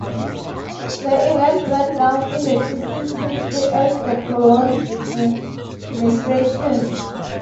The event went down in the city's history as the "Cologne Defenestration".